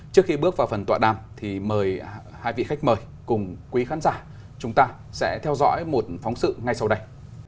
trước khi bước vào phần tọa đàm thì mời hai vị khách mời cùng quý khán giả chúng ta sẽ theo dõi một phóng sự ngay sau đây